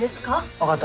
分かった。